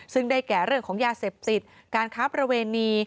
ซึ่งได้แก่เรื่องของยาเสพติดการค้าประเวณี